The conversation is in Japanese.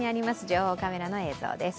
情報カメラの映像です。